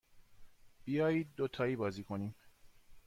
بیایید دوتایی بازی کنیم.